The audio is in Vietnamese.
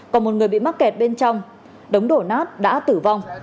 còn một người bị mắc kẹt bên trong đống đổ nát đã tử vong